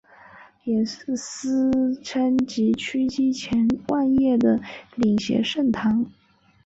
也是司铎级枢机前田万叶的领衔圣堂。